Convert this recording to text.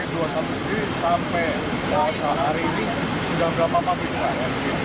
dari dua puluh satu sampai saat hari ini sudah berapa apa